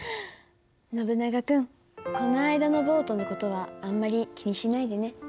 「ノブナガ君この間のボートの事はあんまり気にしないでね。